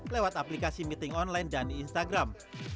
lewat aplikasi meeting online dan instagram